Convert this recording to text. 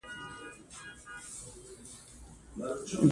د لیمو اوبه د خوړو دوه کاشوغې او لږ مالګه هم ورته پکار ده.